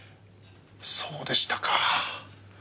そうでしたか。